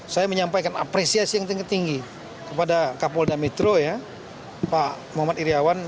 saya menyampaikan apresiasi yang tinggi tinggi kepada kapolda metro ya pak muhammad iryawan